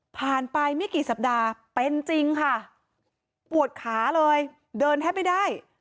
ไปไม่กี่สัปดาห์เป็นจริงค่ะปวดขาเลยเดินแทบไม่ได้